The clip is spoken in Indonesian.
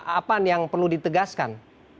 apa yang perlu ditegaskan